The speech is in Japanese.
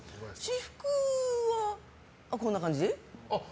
私服はこんな感じ。